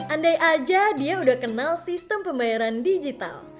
andai aja dia udah kenal sistem pembayaran digital